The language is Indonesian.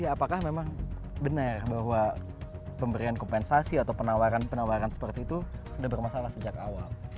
apakah memang benar bahwa pemberian kompensasi atau penawaran penawaran seperti itu sudah bermasalah sejak awal